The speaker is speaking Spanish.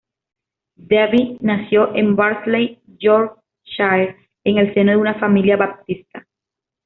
Davie nació en Barnsley, Yorkshire, en el seno de una familia baptista.